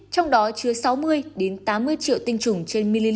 trong đó chứa sáu mươi đến tám mươi triệu tinh trùng trên ml